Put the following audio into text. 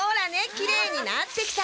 きれいになってきた。